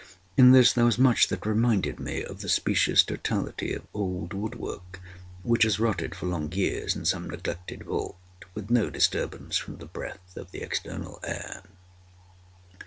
In this there was much that reminded me of the specious totality of old wood work which has rotted for long years in some neglected vault, with no disturbance from the breath of the external air.